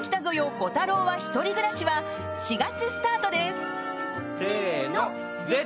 コタローは１人暮らし」は４月スタートです。